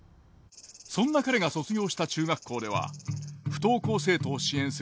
そんな彼が卒業した中学校では不登校生徒を支援する教室